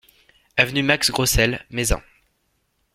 Avenue Max Grosselle, Mézin